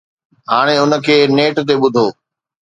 هاڻي ان کي نيٽ تي ٻڌو.